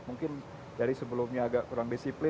mungkin dari sebelumnya agak kurang disiplin